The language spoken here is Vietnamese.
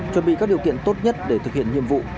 chuẩn bị các điều kiện tốt nhất để thực hiện nhiệm vụ